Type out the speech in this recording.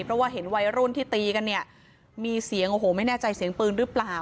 เพราะว่าเห็นวัยรุ่นที่ตีกันเนี่ยมีเสียงโอ้โหไม่แน่ใจเสียงปืนหรือเปล่า